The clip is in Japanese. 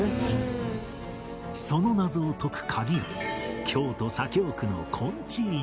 その謎を解く鍵が京都左京区の金地院にある